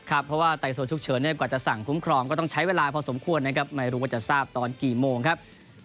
เพราะว่าไต่สวนฉุกเฉินกว่าจะสั่งคุ้มครองก็ต้องใช้เวลาพอสมควรนะครับไม่รู้ว่าจะทราบตอนกี่โมงครับ